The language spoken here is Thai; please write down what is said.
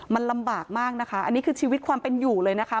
มันลำบากมากนะคะอันนี้คือชีวิตความเป็นอยู่เลยนะคะ